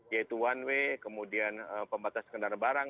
yaitu one way kemudian pembatas kendaraan barang